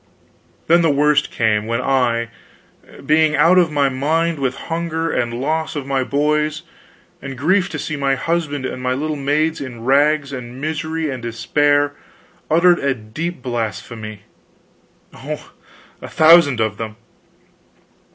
Then the worst came when I, being out of my mind with hunger and loss of my boys, and grief to see my husband and my little maids in rags and misery and despair, uttered a deep blasphemy oh! a thousand of them!